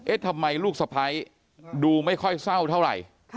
ทำไมลูกสะพ้ายดูไม่ค่อยเศร้าเท่าไหร่